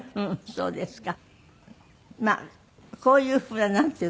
そうですか。